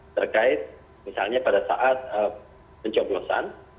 terkait misalnya pada saat pencoblosan